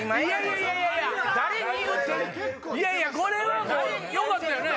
いやいやこれはよかったよね？